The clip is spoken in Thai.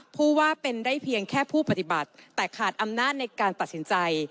ผู้ว่าเป็นได้เพียงแค่ผู้ปฏิบัติแต่ขาดอำนาจในการตัดสินใจ